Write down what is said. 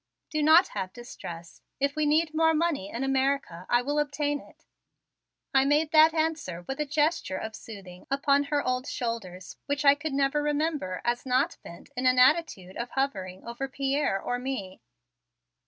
Do not have distress. If we need more money in America I will obtain it." I made that answer with a gesture of soothing upon her old shoulders which I could never remember as not bent in an attitude of hovering over Pierre or me.